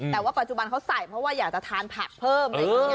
แต่ว่าปัจจุบันเขาใส่เพราะว่าอยากจะทานผักเพิ่ม